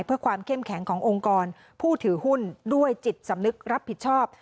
เพื่อความเข้มแข็งขององค์กรผู้ถือหุ้นด้วยจิตสำนึกรับผิดชอบ